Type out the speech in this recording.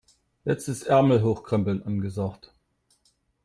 Jetzt ist Ärmel hochkrempeln angesagt.